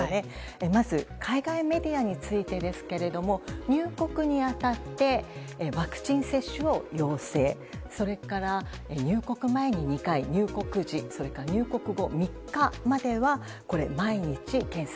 まず、海外メディアについて入国に当たってワクチン接種を要請それから入国前に２回、入国時それから入国後３日までは毎日、検査。